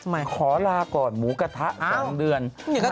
เอาล่ะขอลาก่อนหมูกระทะสองเดือน